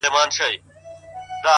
• خو زه،